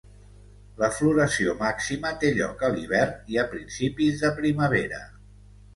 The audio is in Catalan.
La floració màxima té lloc a l'hivern i a principis de primavera.